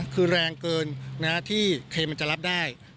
คือแรงเกินที่เคลมมันจะรับได้